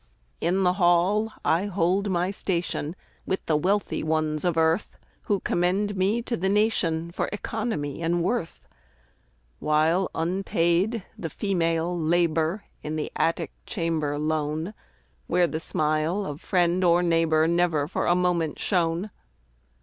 In the hall I hold my station, With the wealthy ones of earth, Who commend me to the nation For economy and worth, While unpaid the female labor, In the attic chamber lone, Where the smile of friend or neighbor Never for a moment shone.